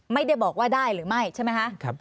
ไม่ได้บอกว่าได้หรือไม่ใช่ไหมคะ